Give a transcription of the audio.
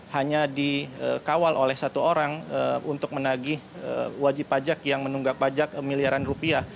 hanya dikawal oleh satu orang untuk menagih wajib pajak yang menunggak pajak miliaran rupiah